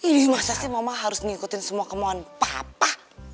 ini masa sih mama harus mengikuti semua kemauan papa